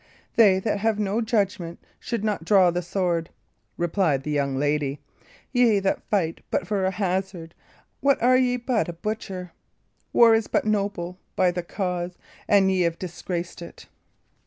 "They that have no judgment should not draw the sword," replied the young lady. "Ye that fight but for a hazard, what are ye but a butcher? War is but noble by the cause, and y' have disgraced it."